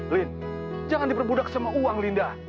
lin jangan diperbudak sama uang linda